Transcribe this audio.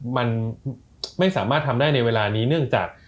มันไม่สามารถทำได้ในเวลานี้เนื่องจาก